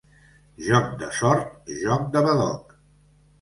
Joc de sort, joc de badoc.